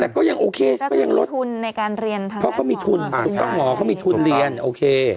แต่ก็ยังโอเคก็ยังลดเพราะเขามีทุนถูกต้องหมอเขามีทุนเรียนโอเค